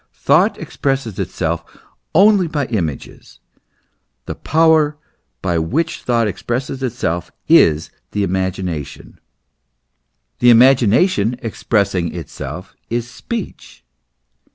Thought expresses itself only by images; the power by which thought expresses itself THE MYSTERY OF THE LOGOS. 77 is the imagination ; the imagination expressing itself is speech.